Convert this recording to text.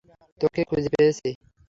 তোকে খুঁজে পেয়েছি।